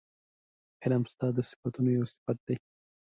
علم ستا د صفتونو یو صفت دی